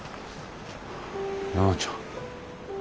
奈々ちゃん。